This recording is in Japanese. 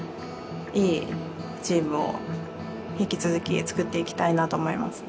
いいチームを引き続きつくっていきたいなと思いますね